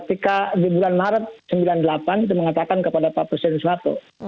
ketika di bulan maret seribu sembilan ratus sembilan puluh delapan itu mengatakan kepada pak presiden soeharto